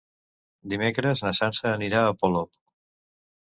Dimecres na Sança anirà a Polop.